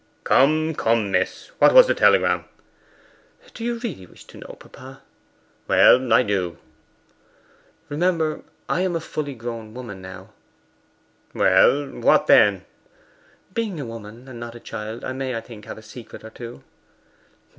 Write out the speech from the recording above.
'Come, come, miss! What was the telegram?' 'Do you really wish to know, papa?' 'Well, I do.' 'Remember, I am a full grown woman now.' 'Well, what then?' 'Being a woman, and not a child, I may, I think, have a secret or two.